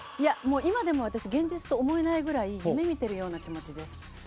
今でも現実とは思えないぐらい夢見ているような感じです。